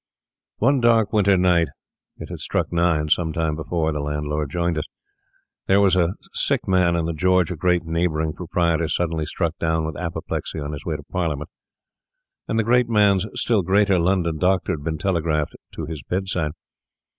One dark winter night—it had struck nine some time before the landlord joined us—there was a sick man in the George, a great neighbouring proprietor suddenly struck down with apoplexy on his way to Parliament; and the great man's still greater London doctor had been telegraphed to his bedside.